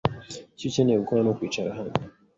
Icyo ukeneye gukora nukwicara hano.